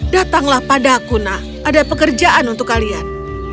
datanglah pada aku nak ada pekerjaan untuk kalian